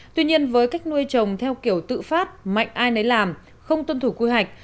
tuy nhiên với cách nuôi trồng theo kiểu tự phát mạnh ai nấy làm không tuân thủ quy hoạch